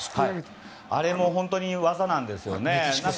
あれも本当に技なんですよね。